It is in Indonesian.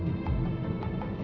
putri kecil papa